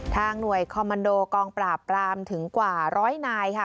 หน่วยคอมมันโดกองปราบปรามถึงกว่าร้อยนายค่ะ